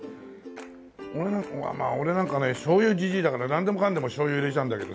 まあ俺なんかねしょうゆじじいだからなんでもかんでもしょうゆ入れちゃうんだけどさ